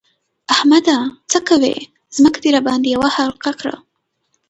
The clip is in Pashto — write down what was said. احمده! څه کوې؛ ځمکه دې راباندې يوه حقله کړه.